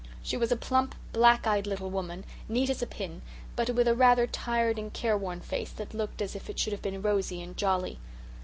She was a plump, black eyed little woman, neat as a pin, but with a rather tired and care worn face that looked as if it should have been rosy and jolly.